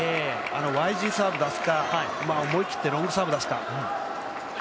ＹＧサーブ出すか、思い切ってロングサーブ出すか。